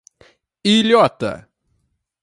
Ilhota